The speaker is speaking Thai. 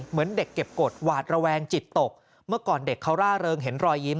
เหมือนเด็กเก็บกฎหวาดระแวงจิตตกเมื่อก่อนเด็กเขาร่าเริงเห็นรอยยิ้ม